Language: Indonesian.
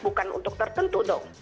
bukan untuk tertentu dong